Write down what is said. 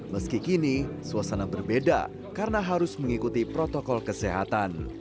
meski kini suasana berbeda karena harus mengikuti protokol kesehatan